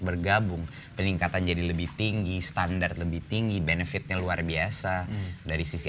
bergabung peningkatan jadi lebih tinggi standar lebih tinggi benefitnya luar biasa dari sisi